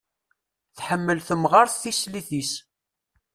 Tḥemmel temɣart tislit-is.